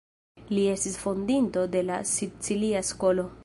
Li estis fondinto de la Sicilia Skolo.